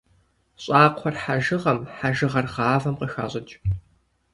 ЩӀакхъуэр хьэжыгъэм, хьэжыгъэр гъавэм къыхащӀыкӀ.